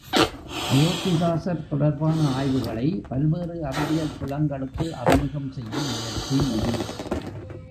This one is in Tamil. அயோத்திதாசர் தொடர்பான ஆய்வுகளை பல்வேறு அறிவியல் புலங்களுக்குள் அறிமுகம் செய்யும் முயற்சி இது.